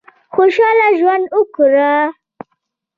خوشاله ژوند وکړه.